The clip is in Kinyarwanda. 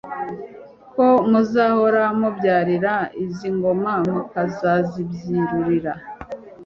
Ko muzahora mubyarira izi ngoma Mukazazibyirurira.